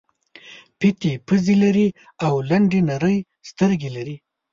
پېتې پزې لري او لنډې نرۍ سترګې لري.